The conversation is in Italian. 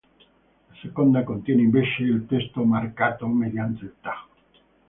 La seconda contiene invece il testo, "marcato" mediante i tag.